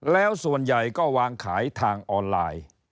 แล้วส่วนใหญ่ก็วางขายทางออนไลน์